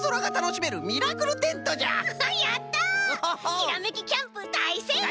ひらめきキャンプだいせいこう！